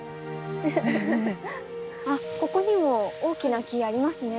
あここにも大きな木ありますね。